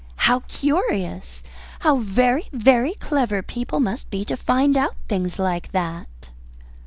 How curious! How very, very clever people must be to find out things like that!"